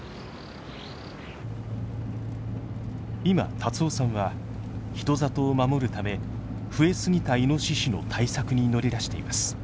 今辰雄さんは人里を守るため増え過ぎたイノシシの対策に乗り出しています。